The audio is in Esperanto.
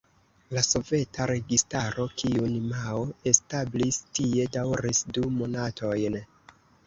La Soveta registaro kiun Mao establis tie daŭris du monatojn.